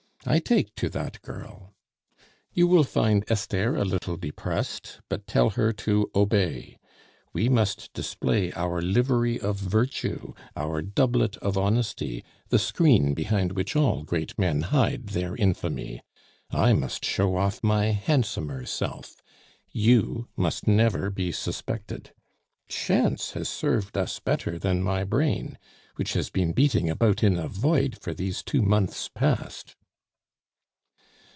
I take to that girl. "You will find Esther a little depressed, but tell her to obey. We must display our livery of virtue, our doublet of honesty, the screen behind which all great men hide their infamy. I must show off my handsomer self you must never be suspected. Chance has served us better than my brain, which has been beating about in a void for these two months past."